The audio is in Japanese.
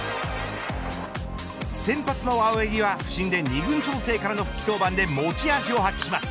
先発の青柳は不振で二軍調整からの復帰登板で持ち味を発揮します。